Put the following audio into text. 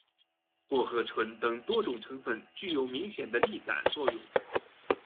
薄荷醇等多种成分有明显的利胆作用。